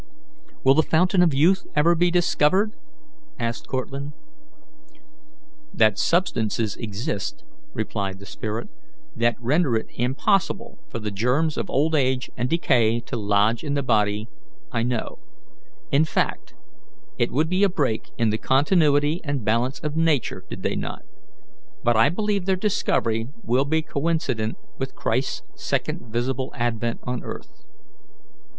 "Will the Fountain of Youth ever be discovered?" asked Cortlandt. "That substances exist," replied the spirit, "that render it impossible for the germs of old age and decay to lodge in the body, I know; in fact, it would be a break in the continuity and balance of Nature did they not; but I believe their discovery will be coincident with Christ's second visible advent on earth.